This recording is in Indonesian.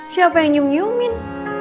siapa yang cium ciumin